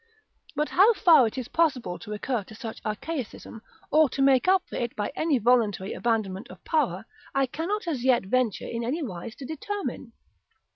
But how far it is possible to recur to such archaicism, or to make up for it by any voluntary abandonment of power, I cannot as yet venture in any wise to determine.